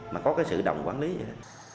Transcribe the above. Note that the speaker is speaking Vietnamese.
mà có cái sự đồng quản lý vậy đó